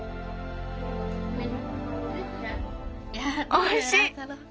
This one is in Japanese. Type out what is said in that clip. おいしい！